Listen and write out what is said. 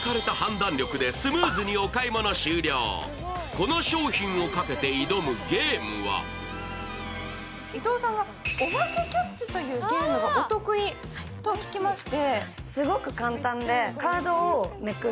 この商品をかけて挑むゲームは伊藤さんが、おばけキャッチというゲームがお得意と聞きまして。